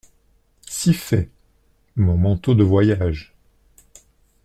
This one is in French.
Si fait !… mon manteau de voyage.